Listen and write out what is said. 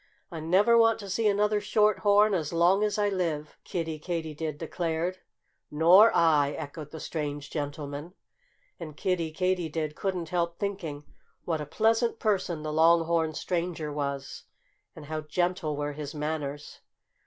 "I never want to see another Short horn as long as I live," Kiddie Katydid declared. "Nor I!" echoed the strange gentleman. And Kiddie Katydid couldn't help thinking what a pleasant person the long horned stranger was and how gentle were his manners.